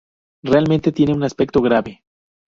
Realmente tiene un aspecto grave.